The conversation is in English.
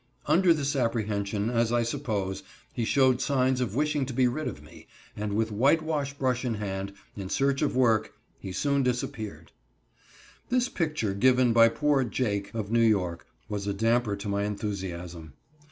Under this apprehension, as I suppose, he showed signs of wishing to be rid of me, and with whitewash brush in hand, in search of work, he soon disappeared. This picture, given by poor "Jake," of New York, was a damper to my enthusiasm.